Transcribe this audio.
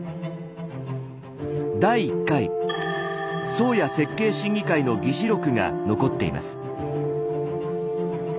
「第１回宗谷設計審議会」の議事録が残っています。